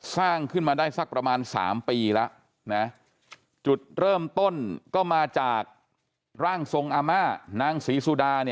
สร้างขึ้นมาได้สักประมาณ๓ปีแล้วนะจุดเริ่มต้นก็มาจากร่างทรงอาม่านางศรีสุดา